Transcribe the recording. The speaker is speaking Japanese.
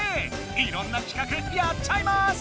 いろんな企画やっちゃいます！